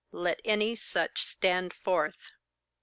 Let any such stand forth.